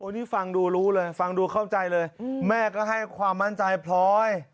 นี่ฟังดูรู้เลยฟังดูเข้าใจเลยแม่ก็ให้ความมั่นใจพลอย